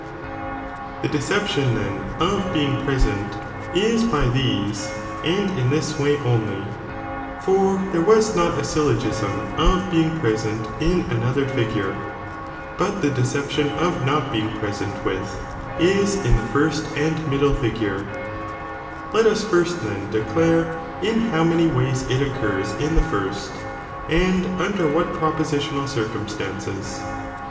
The deception then of being present, is by these , and in this way only, (for there was not a syllo " gism of being present in another figure,") but the sriuniiniiddit deception of not being present with, is in the first J"^ "^'^^^^ and middle figure t Let us first then declare in Fiioi.b.i. bow many ways it occurs in the first, and under Jmiui*^ what prupositional circumstances.